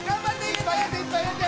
いっぱい入れていっぱい入れて。